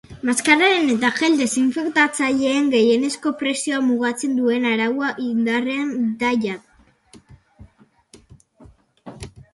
Maskaren eta gel desinfektatzaileen gehienezko prezioa mugatzen duen araua indarrean da jada.